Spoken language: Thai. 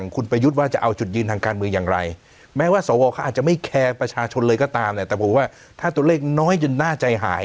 แคร์ประชาชนเลยก็ตามเนี้ยแต่ผมว่าถ้าตัวเลขน้อยจนน่าใจหาย